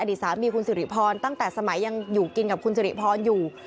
สามีคุณสิริพรตั้งแต่สมัยยังอยู่กินกับคุณสิริพรอยู่